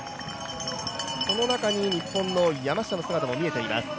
その中に日本の山下の姿も見えています。